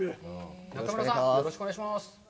中村さん、よろしくお願いします。